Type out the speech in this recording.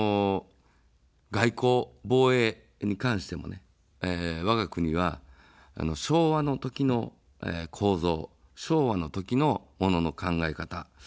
外交、防衛に関してもね、わが国は、昭和の時の構造、昭和の時のものの考え方。